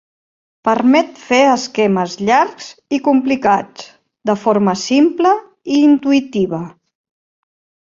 Permet fer esquemes llargs i complicats de forma simple i intuïtiva.